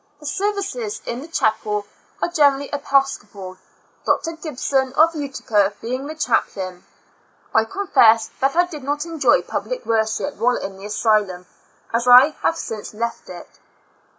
The services in the chapel are generally Episcopal, Dr. Gibson, of Utica, being the chaplain. I confess that I did not enjoy public worship while in the asylum as I have since I left it.